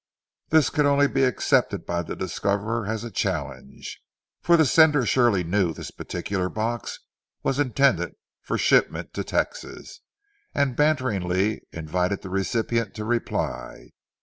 This could only be accepted by the discoverer as a challenge, for the sender surely knew this particular box was intended for shipment to Texas, and banteringly invited the recipient to reply.